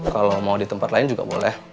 kalau mau di tempat lain juga boleh